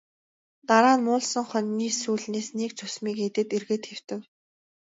Дараа нь муулсан хонины сүүлнээс нэг зүсмийг идээд эргээд хэвтэв.